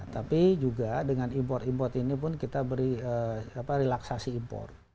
tapi juga dengan impor import ini pun kita beri relaksasi impor